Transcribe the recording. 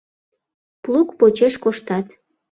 Плуг почеш коштат